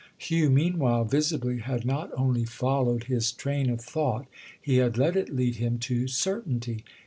Hugh meanwhile, visibly, had not only followed his train of thought, he had let it lead him to certainty.